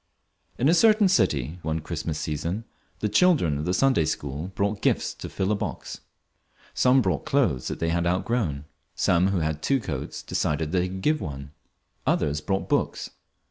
In a certain city one Christmas season the children of the Sunday School brought gifts to fill a box. Some brought clothes they had outgrown. Some who had two coats decided they could give one. Others brought books.